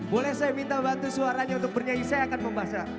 boleh saya minta bantu suaranya untuk bernyanyi saya akan membahasnya